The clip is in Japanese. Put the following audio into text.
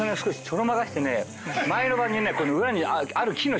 前の晩にね。